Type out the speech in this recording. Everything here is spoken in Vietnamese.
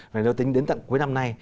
và nếu tính đến tận cuối năm nay